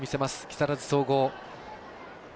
木更津総合。